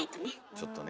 ちょっとね